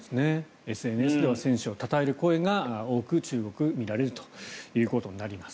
ＳＮＳでは選手をたたえる声が多く中国で見られるということになります。